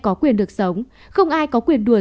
có quyền được sống không ai có quyền đùa